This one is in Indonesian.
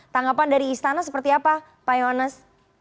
tanggapan dari istana seperti apa pak yonas